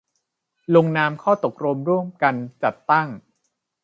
ลงนามข้อตกลงร่วมกันจัดตั้ง